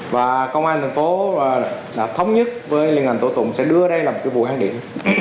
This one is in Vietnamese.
và công an thành phố đã thống nhất với liên lạc tổ tụng sẽ đưa đây là một cái vụ án điểm